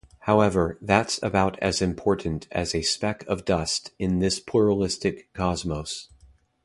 However, that's about as important as a speck of dust in this pluralistic cosmos.